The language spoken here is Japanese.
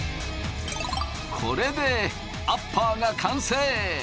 これでアッパーが完成。